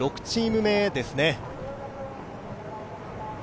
３６チーム目ですね。